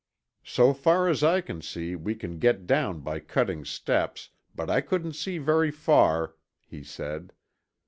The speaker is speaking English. "So far as I can see, we can get down by cutting steps, but I couldn't see very far," he said.